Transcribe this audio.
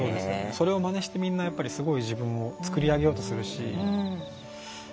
それをまねしてみんな自分を作り上げようとするし。